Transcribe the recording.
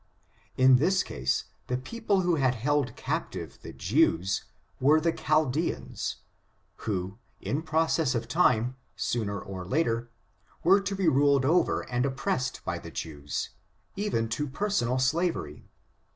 In this case, the people who had held captive the Jews, were the Chaldeans, who, in process of time, sooner or later, were to be ruled over and oppressed ^^•^^^^ I FORTUNES, OF THE NEGRO RACE. 333 by the Jews, even to personal slavery.